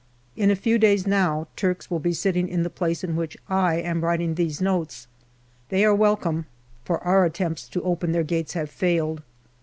In a few days now Turks will be sitting in the place in which I am writing these notes. They are welcome, for our attempts to open their gates have failed.